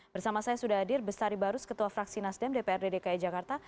bersama saya sudah hadir bestari barus ketua fraksi nasdem dprd dki jakarta